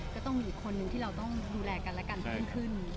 ก็ต้องมีอีกคนนึงที่เราต้องดูแลกันและกันเพิ่มขึ้น